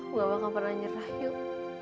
aku gak bakal pernah nyerah yul